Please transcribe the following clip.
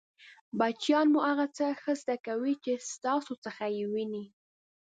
بچیان مو هغه څه ښه زده کوي چې ستاسو څخه يې ویني!